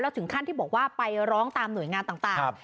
ถึงขั้นที่บอกว่าไปร้องตามหน่วยงานต่าง